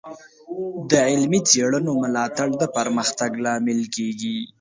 د علمي څیړنو ملاتړ د پرمختګ لامل کیږي.